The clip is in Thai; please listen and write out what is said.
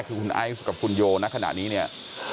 คือคุณไอซ์กับคุณโยณขณะนี้เนี่ย